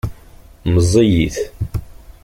Meẓẓiyit.